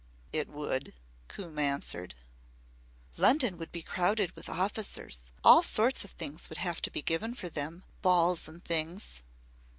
"It would," Coombe answered. "London would be crowded with officers. All sorts of things would have to be given for them balls and things."